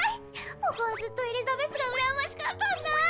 僕はずっとエリザベスが羨ましかったんだ。